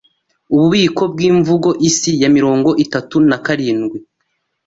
Ububiko bw'Imivugo Isi ya mirongo itatu nakarndwi